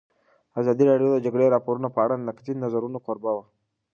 ازادي راډیو د د جګړې راپورونه په اړه د نقدي نظرونو کوربه وه.